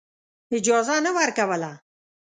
اجازه نه ورکوله.